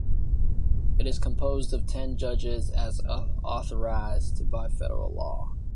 It is composed of ten judges as authorized by federal law.